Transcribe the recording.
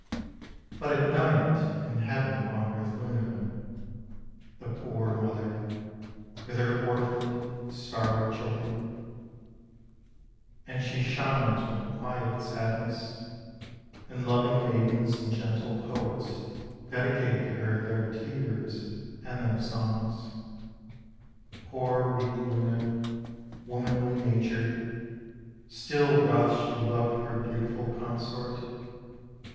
But at night In heaven wandereth Luna, The poor mother, With her orphaned, starry children; And she shines with a quiet sadness, And loving maidens and gentle poets Dedicate to her their tears and their songs. Poor weak Luna! Womanly natured, Still doth she love her beautiful consort.